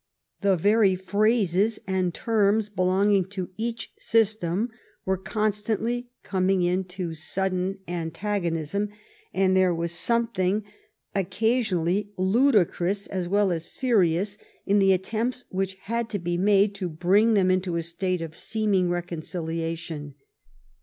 The very phrases and terms belonging to each system were constantly coming into sudden anr 262 FIRST PARLIAM ENT OF THE UNION tagonism, and there was something occasionally ludi crous as well as serious in the attempts which had to be made to bring them into a state of seeming reconcilia tion.